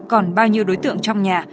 còn bao nhiêu đối tượng trong nhà